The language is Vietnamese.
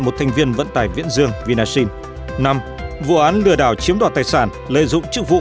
một thành viên vận tải viễn dương vinasin năm vụ án lừa đảo chiếm đoạt tài sản lợi dụng chức vụ